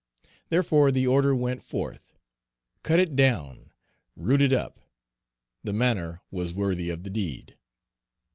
Therefore the order went forth, "Cut it down: root it up." The manner was worthy of the deed.